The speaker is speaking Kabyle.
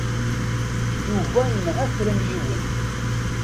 Yuba yenɣa kra n yiwen.